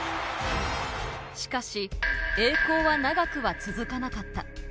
しかし、栄光は長くは続かなかった。